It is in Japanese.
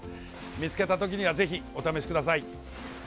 見つけた時にはぜひお試しください。